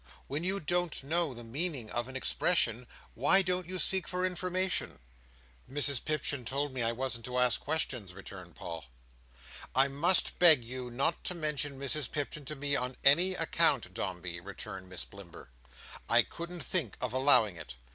When you don't know the meaning of an expression, why don't you seek for information?" "Mrs Pipchin told me I wasn't to ask questions," returned Paul. "I must beg you not to mention Mrs Pipchin to me, on any account, Dombey," returned Miss Blimber. "I couldn't think of allowing it.